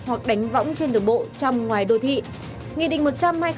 hoặc đánh võng trên đường bộ trong ngoài đô thị